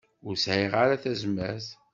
Ur sɛiɣ ara tazmert.